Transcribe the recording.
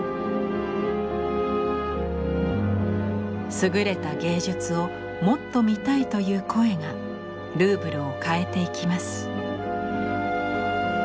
優れた芸術をもっと見たいという声がルーブルを変えていきます。